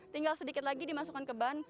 tinggal sedikit lagi dimasukkan ke ban